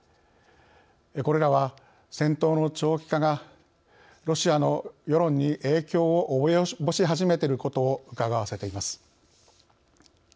これらは戦闘の長期化がロシアの世論に影響を及ぼし始めていることをうかがわせています。